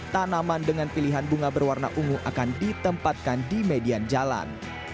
tanaman dengan pilihan bunga berwarna ungu akan ditempatkan di median jalan